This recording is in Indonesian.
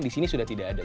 di sini sudah tidak ada